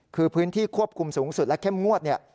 คือพื้นที่ควบคุมสูงสุดและเข้มงวดเนี่ย